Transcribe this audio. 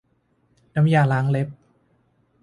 น้ำยาล้างเล็บ